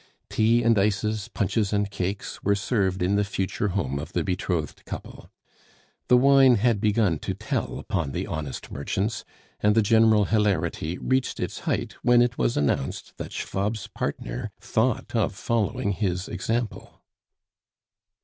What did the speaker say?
Tea and ices, punches and cakes, were served in the future home of the betrothed couple. The wine had begun to tell upon the honest merchants, and the general hilarity reached its height when it was announced that Schwab's partner thought of following his example.